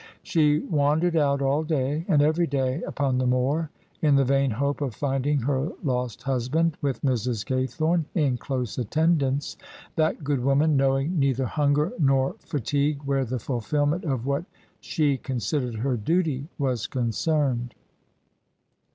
She wandered out all day and every day upon the moor, in the vain hope of finding her lost husband, with Mrs. Gaythome in close attendance, that good woman knowing neither hunger nor fatigue where the fulfilment of what she considered her duty was concerned.